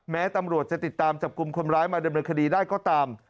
แม้ตำรวจจะติดตามจับกลุ่มคนร้ายมาดำเนินคดีได้ก็ตาม